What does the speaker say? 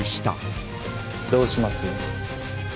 どうします？